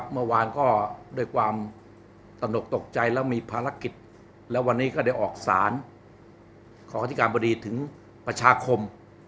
เมื่อวานก็ด้วยความตนกตกใจแล้วมีภารกิจและวันนี้ก็ได้ออกสารของอธิการบดีถึงประชาคม